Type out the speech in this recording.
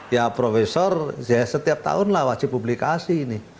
ya profesor setiap tahun lah wajib publikasi ini